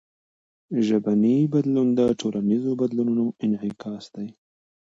ژبنی بدلون د ټولنیزو بدلونونو انعکاس دئ.